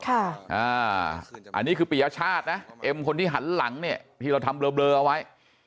อันนี้คือปียชาตินะเอ็มคนที่หันหลังเนี่ยที่เราทำเลอเอาไว้